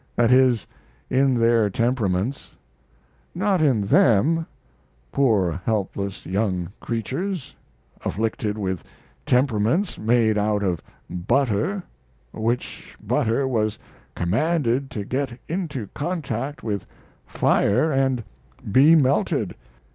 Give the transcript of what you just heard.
That is, in their temperaments. Not in them, poor helpless young creatures afflicted with temperaments made out of butter, which butter was commanded to get into contact with fire and be melted.